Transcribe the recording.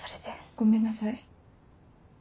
ごめんなさい。